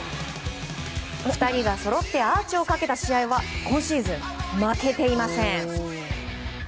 ２人がそろってアーチをかけた試合は今シーズン、負けていません。